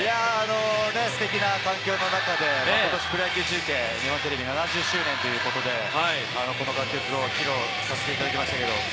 ステキな環境の中で今年プロ野球中継・日本テレビ７０年ということで、披露させていただきました。